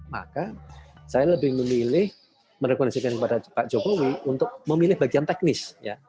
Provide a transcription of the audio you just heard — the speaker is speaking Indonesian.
maka saya lebih memilih merekonstruksikan kepada pak jokowi untuk memilih bagian teknis